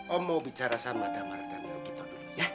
om mau bicara sama damar dan gisa dulu ya